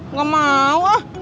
nggak mau ah